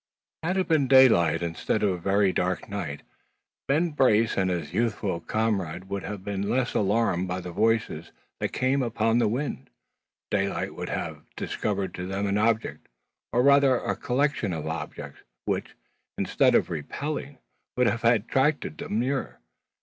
Had it been daylight, instead of a very dark night, Ben Brace and his youthful comrade would have been less alarmed by the voices that came up the wind. Daylight would have discovered to them an object, or rather collection of objects, which, instead of repelling, would have attracted them nearer.